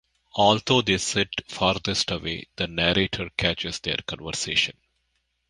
Although they sit farthest away, the narrator catches their conversation.